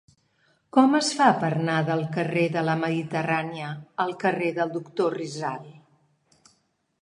Com es fa per anar del carrer de la Mediterrània al carrer del Doctor Rizal?